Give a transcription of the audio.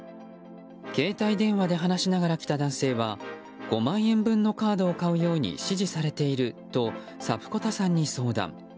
携帯電話で話しながら来た男性は５万円分のカードを買うように指示されているとサプコタさんに相談。